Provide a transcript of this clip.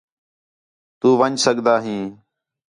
تُو ون٘ڄ سڳدا ہیں